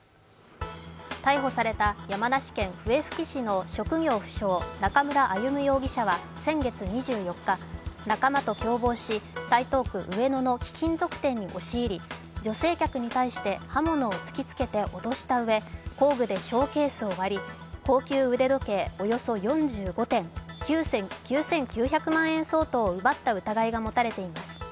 逮捕された山梨県笛吹市の職業不詳、中村歩武容疑者は先月２４日、仲間と共謀し台東区上野の貴金属店に押し入り女性客に対して刃物を突きつけて脅したうえ工具でショーケースを割り高級腕時計およそ４５点９９００万円相当を奪った疑いが持たれています。